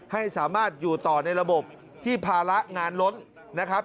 ให้สามารถอยู่ต่อในระบบที่ภาระงานล้นนะครับ